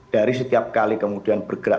dari setiap kali kemudian bergerak